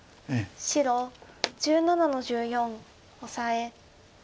白１７の十四オサエ。